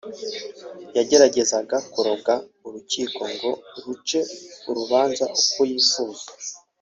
yageragezaga kuroga urukiko ngo ruce urubanza uko yifuza